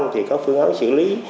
thì có phương án xử lý